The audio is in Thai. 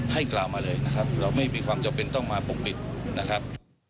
ให้กล่าวมาเลยนะครับเราไม่มีความจำเป็นต้องมาปกปิดนะครับ